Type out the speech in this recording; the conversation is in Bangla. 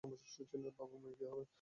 বাবা মায়ের কী হবে?